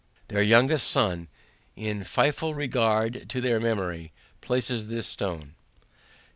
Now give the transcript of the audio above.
Their youngest son, In filial regard to their memory, Places this stone.